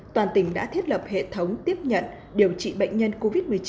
toàn tỉnh đã thiết lập hệ thống tiếp nhận điều trị bệnh nhân covid một mươi chín